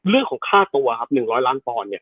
เรื่องของค่าตัวครับ๑๐๐ล้านปอนด์เนี่ย